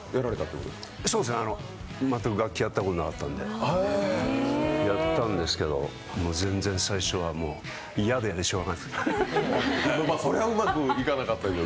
そうです、全く楽器やったことなかったんで、やったんですけど全然最初は嫌で嫌でしようがなかった。